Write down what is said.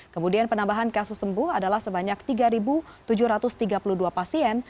kemudian penambahan kasus sembuh adalah sebanyak tiga tujuh ratus tiga puluh dua pasien